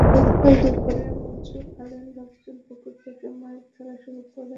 গতকাল দুপুরে মনসুর আলীর লোকজন পুকুর থেকে মাছ ধরা শুরু করেন।